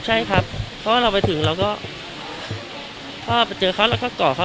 ใช่ครับเพราะเราไปถึงเราก็เพราะเราไปเจอเขาก็กล่อกับเขา